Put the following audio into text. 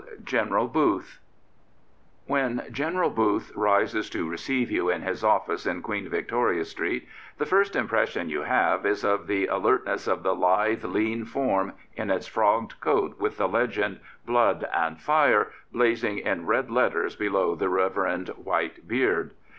GENERAL BOOTH When General Booth rises to receive you in his ofi5ce in Queen Victoria Street, the first impression you have is of the alertness of the lithe, lean form in its frogged coat with the legend Blood and Fire blazing in red letters below the reverend white beard.